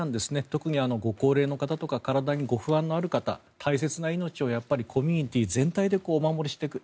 特にご高齢の方とか体にご不安のある方大切な命をコミュニティー全体でお守りしていく。